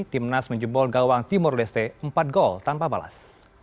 tim nas menjembol gawang timor leste empat gol tanpa balas